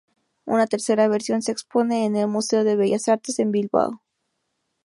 Una tercera versión se expone en el Museo de Bellas Artes de Bilbao.